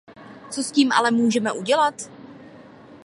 Co s tím ale můžeme udělat?